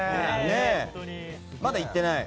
まだ行ってない？